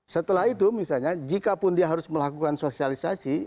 setelah itu misalnya jikapun dia harus melakukan sosialisasi